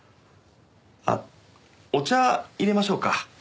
あっお茶いれましょうか。